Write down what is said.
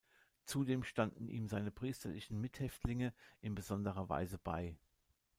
Zudem standen ihm seine priesterlichen Mithäftlinge in besonderer Weise bei.